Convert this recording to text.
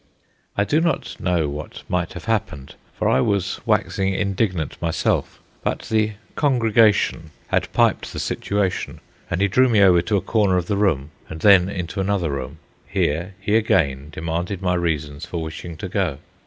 I do not know what might have happened, for I was waxing indignant myself; but the "congregation" had "piped" the situation, and he drew me over to a corner of the room, and then into another room. Here he again demanded my reasons for wishing to go.